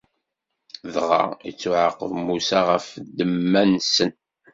Dɣa, ittuɛaqeb Musa ɣef ddemma-nsen.